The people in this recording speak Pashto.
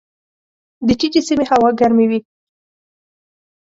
د ټیټې سیمې هوا ګرمې وي.